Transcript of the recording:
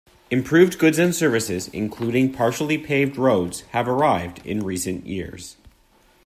Improved goods and services, including partially paved roads, have arrived in recent years.